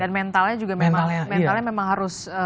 dan mentalnya juga memang harus